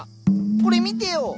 これ見てよ。